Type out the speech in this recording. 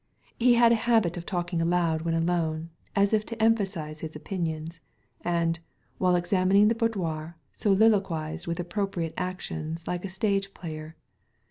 He had a habit of talking aloud when alone, as if to emphasize his opinions, and, while examining the boudoir, soliloquized with appropriate actions like a stage player.